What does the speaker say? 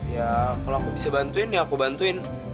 ya kalau aku bisa bantuin ya aku bantuin